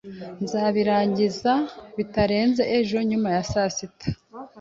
Nzayirangiza bitarenze ejo nyuma ya saa sita.